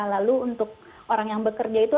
lalu untuk orang yang bekerja itu